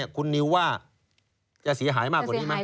คุณนิวว่าจะเสียหายมากกว่านี้ไหม